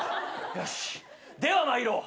よしでは参ろう。